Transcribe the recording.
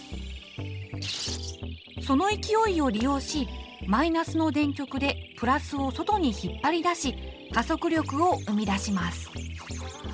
その勢いを利用しマイナスの電極でプラスを外に引っ張り出し加速力を生み出します。